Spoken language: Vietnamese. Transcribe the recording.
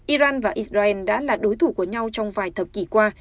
iran và israel đã là đối thủ của nhau trong vài thập kỷ qua